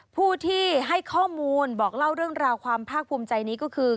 ผู้ที่ให้ข้อมูลบอกเล่าเรื่องราวความภาคภูมิใจนี้ก็คือ